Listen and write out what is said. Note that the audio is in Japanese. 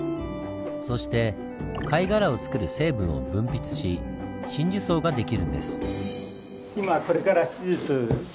そして貝殻をつくる成分を分泌し真珠層ができるんです。